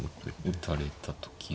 打たれた時は。